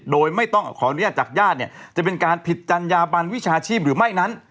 โดยไม่ต้องขออนุญาตจากญาติเนี่ยจะเป็นการผิดจัญญาบันวิชาชีพหรือไม่นั้น